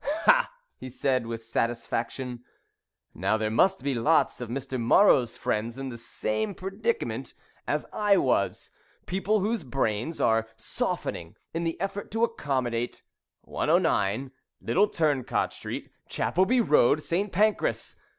"Ha!" he said, with satisfaction. "Now there must be lots of Mr. Marrow's friends in the same predicament as I was people whose brains are softening in the effort to accommodate '109, Little Turncot Street, Chapelby Road, St. Pancras.'